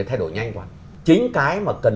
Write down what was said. thay đổi nhanh quá chính cái mà cần